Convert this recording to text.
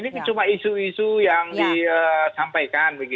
ini kan cuma isu isu yang disampaikan